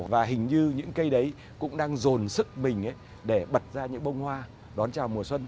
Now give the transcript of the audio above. và hình như những cây đấy cũng đang dồn sức mình để bật ra những bông hoa đón chào mùa xuân